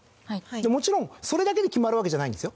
もちろんそれだけで決まるわけじゃないんですよ。